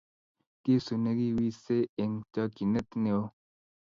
kiisu ya kiwisei eng' chokchinet neoo